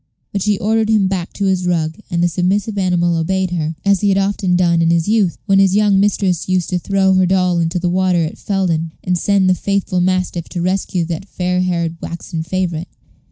But she ordered him back to his rug, and the submissive animal obeyed her, as he had often done in his youth, when his young mistress used to throw her doll into the water at Felden, and send the faithful mastiff to rescue that fair haired waxen favorite.